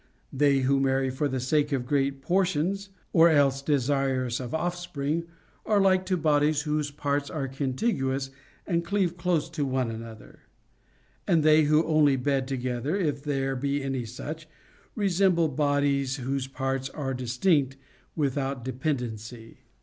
They who marry for the sake of great portions, or else desirous of offspring, are like to bodies whose parts are contiguous and cleave close to one another ; and they who only bed together, if there be any such, resemble bodies whose parts are distinct and without dependency.